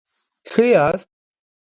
ښه یاست؟